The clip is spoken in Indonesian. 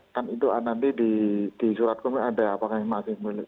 kan itu nanti di surat komunikasi ada apa yang masih muncul